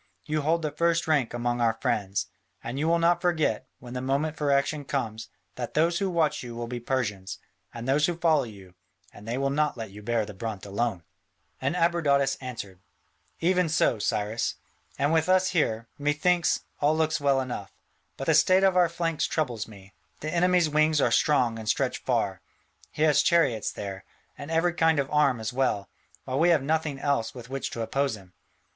You hold the first rank among our friends. And you will not forget, when the moment for action comes, that those who watch you will be Persians, and those who follow you, and they will not let you bear the brunt alone." And Abradatas answered: "Even so, Cyrus; and with us here, methinks, all looks well enough: but the state of our flanks troubles me: the enemy's wings are strong and stretch far: he has chariots there, and every kind of arm as well, while we have nothing else with which to oppose him.